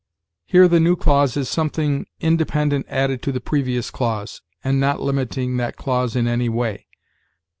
Here the new clause is something independent added to the previous clause, and not limiting that clause in any way.